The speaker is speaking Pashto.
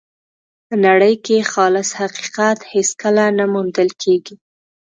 په نړۍ کې خالص حقیقت هېڅکله نه موندل کېږي.